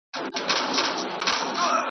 په اوږد مزله کي به دي پر لار سم .